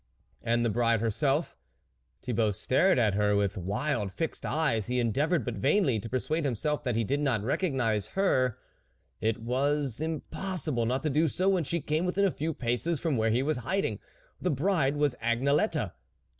And the bride herself Thibault stared at her with wild fixed eyes; he en deavoured, but vainly, to persuade him self that he did not recognise her it was impossible not to do so when she came within a few paces from where he was hiding. The bride was Agnelette.